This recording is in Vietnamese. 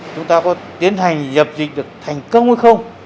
chúng ta có tiến hành dập dịch được thành công hay không